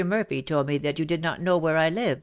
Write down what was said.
Murphy told me that you did not know where I lived, M.